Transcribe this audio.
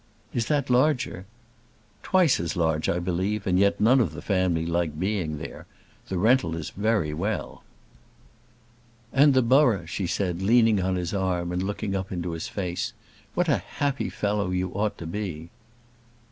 "Is that larger?" "Twice as large, I believe, and yet none of the family like being there. The rental is very well." "And the borough," she said, leaning on his arm and looking up into his face. "What a happy fellow you ought to be."